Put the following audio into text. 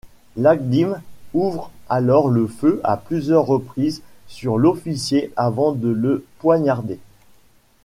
Lakdim ouvre alors le feu à plusieurs reprises sur l'officier avant de le poignarder.